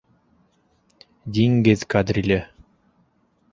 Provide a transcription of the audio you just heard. ДИҢГЕҘ КАДРИЛЕ